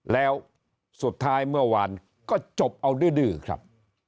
แล้วสุดท้ายเมื่อวานก็จบเอาดื้อครับ